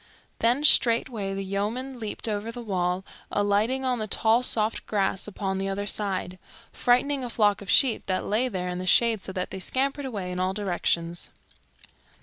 Then straightway the yeomen leaped over the wall, alighting on the tall soft grass upon the other side, frightening a flock of sheep that lay there in the shade so that they scampered away in all directions.